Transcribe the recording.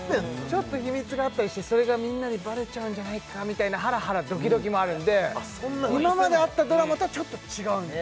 ちょっと秘密があったりしてそれがみんなにバレちゃうんじゃないかみたいなハラハラドキドキもあるんで今まであったドラマとはちょっと違うんですよね